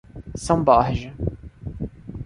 São Borja